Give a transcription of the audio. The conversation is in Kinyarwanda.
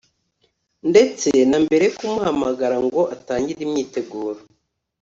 ndetse na mbere yo kumuhamagara ngo atangire imyiteguro"